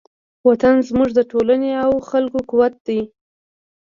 وطن زموږ د ټولنې او خلکو قوت دی.